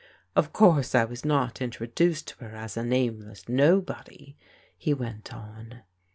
"Of course I was not introduced to her as a nameless nobody," he went on.